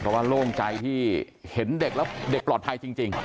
เพราะว่าโล่งใจที่เห็นเด็กแล้วเด็กปลอดภัยจริง